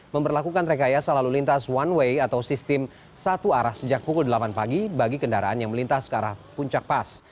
memperlakukan rekayasa lalu lintas one way atau sistem satu arah sejak pukul delapan pagi bagi kendaraan yang melintas ke arah puncak pas